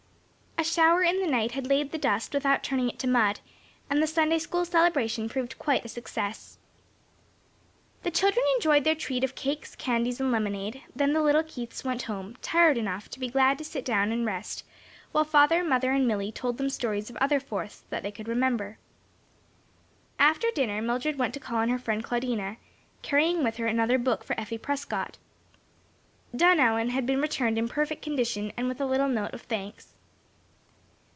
A shower in the night had laid the dust without turning it to mud, and the Sunday school celebration proved quite a success. The children enjoyed their treat of cakes, candies and lemonade, then the little Keiths went home, tired enough to be glad to sit down and rest while father, mother and Milly told them stories of other Fourths that they could remember. After dinner Mildred went to call on her friend Claudina, carrying with her another book for Effie Prescott. "Dunallan," had been returned in perfect condition and with a little note of thanks.